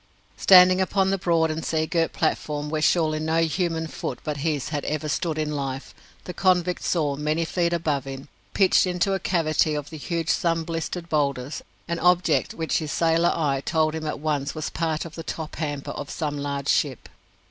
Standing upon the broad and sea girt platform where surely no human foot but his had ever stood in life, the convict saw, many feet above him, pitched into a cavity of the huge sun blistered boulders, an object which his sailor eye told him at once was part of the top hamper of some large ship.